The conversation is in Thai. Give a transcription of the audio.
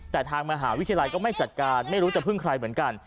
แต่ทางมหาวิทยาลัยก็ไม่จัดการไม่รู้จะพึ่งใครเหมือนกัน